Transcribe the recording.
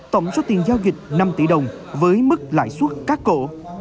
tổng số tiền giao dịch năm tỷ đồng với mức lãi suất cắt cổ